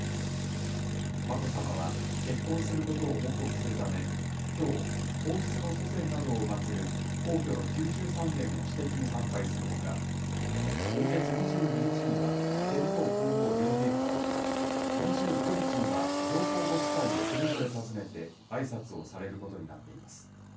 眞子さまは、結婚することを報告するため、きょう、皇室の祖先などを祭る皇居の宮中三殿を私的に参拝するほか、今月２２日には天皇皇后両陛下を、２５日には上皇ご夫妻をそれぞれ訪ねてあいさつをされることになっています。